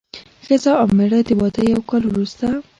ښځه او مېړه د واده یو کال وروسته.